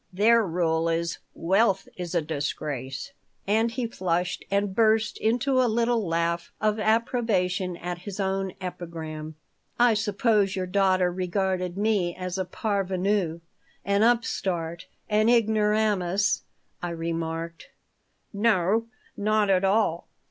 Their rule is, 'Wealth is a disgrace.'" And he flushed and burst into a little laugh of approbation at his own epigram "I suppose your daughter regarded me as a parvenu, an upstart, an ignoramus," I remarked "No, not at all.